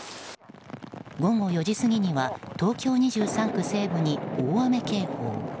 午後４時過ぎには東京２３区西部に大雨警報。